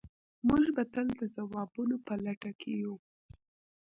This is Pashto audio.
موږ به تل د ځوابونو په لټه کې یو.